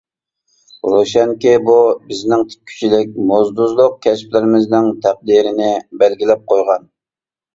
روشەنكى، بۇ بىزنىڭ تىككۈچىلىك، موزدۇزلۇق، كەسىپلىرىمىزنىڭ تەقدىرىنى بەلگىلەپ قويغان.